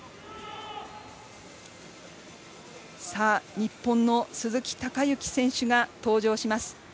日本の鈴木孝幸選手が登場します。